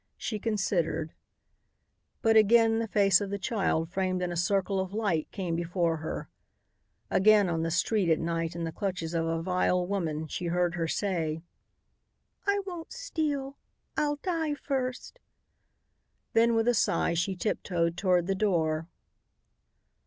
She considered. But again the face of the child framed in a circle of light came before her. Again on the street at night in the clutches of a vile woman, she heard her say, "I won't steal. I'll die first." Then with a sigh she tiptoed toward the door.